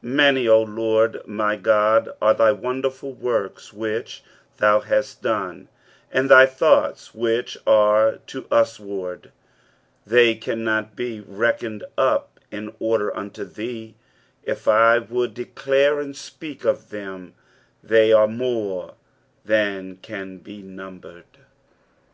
263 5 Many, O Lord, my God, are thy wondfcrful works which thou hast done, and thy thoughts which are to us ward : they cannot be reckoned up in order unto thee ; if I would declare and speak of them, they are more than can be numbered.